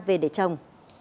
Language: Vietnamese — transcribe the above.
về để trồng